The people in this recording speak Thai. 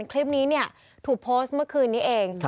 คลิปนี้ถูกโพสต์เมื่อคืนนี้เอง